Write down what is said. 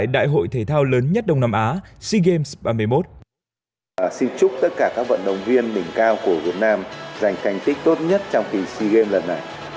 đóng góp cho một mùa sea games thật là sôi động